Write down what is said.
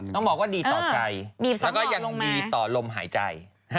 ต้องบอกว่าดีต่อใจแล้วก็ยังดีต่อลมหายใจ